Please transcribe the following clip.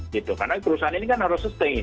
karena perusahaan ini kan harus sustain